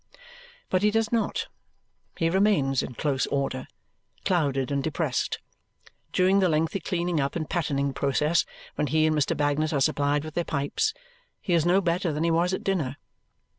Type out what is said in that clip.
But he does not. He remains in close order, clouded and depressed. During the lengthy cleaning up and pattening process, when he and Mr. Bagnet are supplied with their pipes, he is no better than he was at dinner.